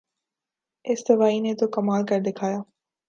اس دوائی نے تو کمال کر دکھایا